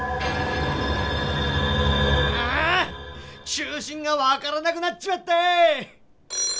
中心がわからなくなっちまったぃ！